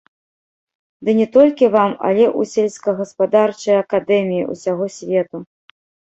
Ды не толькі вам, але ў сельскагаспадарчыя акадэміі ўсяго свету.